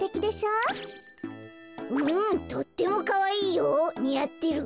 うんとってもかわいいよにあってる。